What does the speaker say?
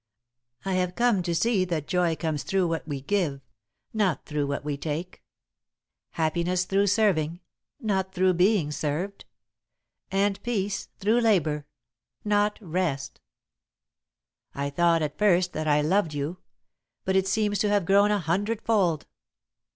"I have come to see that joy comes through what we give, not through what we take; happiness through serving, not through being served; and peace through labour, not rest. "I thought, at first, that I loved you, but it seems to have grown a hundred fold.